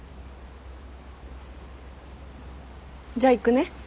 じゃあ行くね。